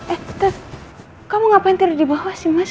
eh terus kamu ngapain tidur di bawah sih mas